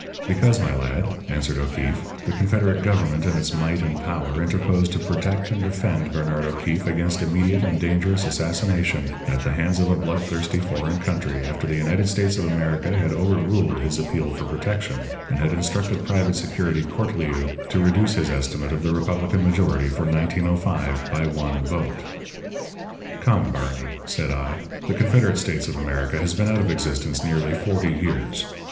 "Because, my lad," answered O'Keefe, "the Confederate Government in its might and power interposed to protect and defend Barnard O'Keefe against immediate and dangerous assassination at the hands of a blood thirsty foreign country after the Unites States of America had overruled his appeal for protection, and had instructed Private Secretary Cortelyou to reduce his estimate of the Republican majority for 1905 by one vote." "Come, Barney," said I, "the Confederate States of America has been out of existence nearly forty years.